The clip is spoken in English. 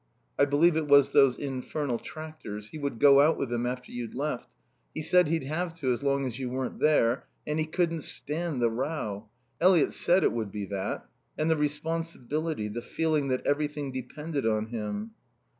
"I believe it was those infernal tractors. He would go out with them after you'd left. He said he'd have to, as long as you weren't there. And he couldn't stand the row. Eliot said it would be that. And the responsibility, the feeling that everything depended on him."